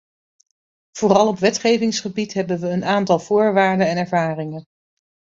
Vooral op wetgevingsgebied hebben we een aantal voorwaarden en ervaringen.